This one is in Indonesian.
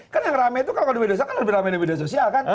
kan yang rame itu kalau di media sosial kan lebih rame di media sosial kan